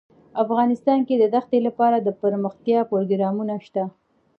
افغانستان کې د دښتې لپاره دپرمختیا پروګرامونه شته.